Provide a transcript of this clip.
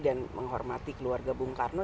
dan menghormati keluarga bung karno